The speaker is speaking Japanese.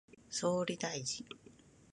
総理大臣